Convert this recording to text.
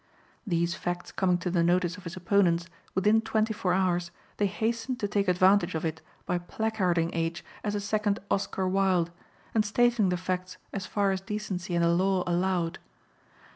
These facts coming to the notice of his opponents, within twenty four hours, they hastened to take advantage of it by placarding H. as a second Oscar Wilde, and stating the facts as far as decency and the law allowed.